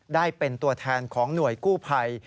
ได้เป็นตัวแทนของหน่วยกู้ภัย